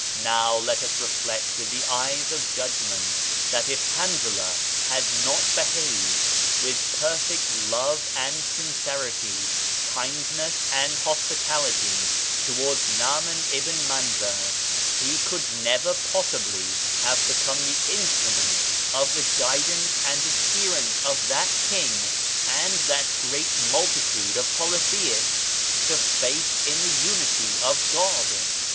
Now let us reflect with the eyes of judgment that if Hanzalah had not behaved with perfect love and sincerity, kindness and hospitality, towards Naaman Ibn Manzar, he could never pos sibly have become the instrument of the guidance and adherence of that king and that great multi tude of polytheists to faith in the Unity of God.